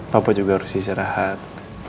papa juga harus istirahat